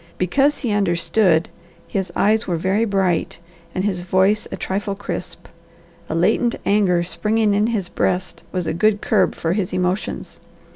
Because he understood, his eyes were very bright, and his voice a trifle crisp. A latent anger springing in his breast was a good curb for his emotions.